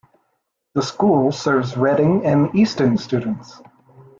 The school serves Redding and Easton students.